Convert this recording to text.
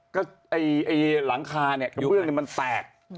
ก็ไอ้หลังคาเนี่ยกระเบื้องมันแตก